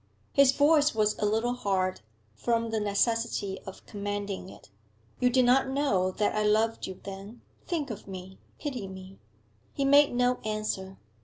His voice was a little hard, from the necessity of commanding it. 'You did not know that I loved you then? Think of me! Pity me!' He made no answer.